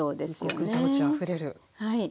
異国情緒あふれる。